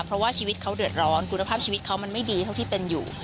เพราะว่าชีวิตเขาเดือดร้อนคุณภาพชีวิตเขามันไม่ดีเท่าที่เป็นอยู่